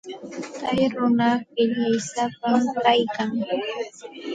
Tsay runaqa qillaysapam kaykan.